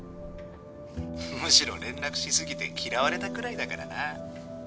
むしろ連絡し過ぎて嫌われたくらいだからな。